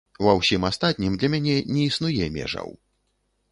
Ва ўсім астатнім для мяне не існуе межаў.